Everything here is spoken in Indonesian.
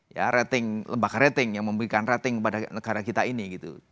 ya rating lembaga rating yang memberikan rating kepada negara kita ini gitu